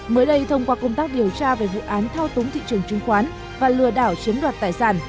mới đây thông qua công tác điều tra về vụ án thao túng thị trường chứng khoán và lừa đảo chiếm đoạt tài sản